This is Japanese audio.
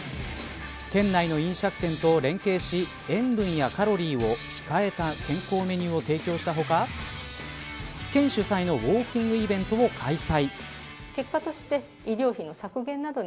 県内の飲食店と連携し塩分やカロリーを控えた健康メニューを提供した他県主催のウオーキングイベントを開催。